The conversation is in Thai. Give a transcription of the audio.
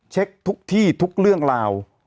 เช็คทุกที่ทุกเรื่องราว